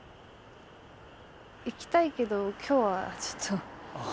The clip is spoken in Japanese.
行きたいけど今日はちょっと。